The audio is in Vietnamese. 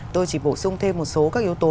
tôi chỉ bổ sung thêm một số các yếu tố